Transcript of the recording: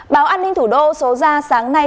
báo an ninh thủ đô số ra sáng nay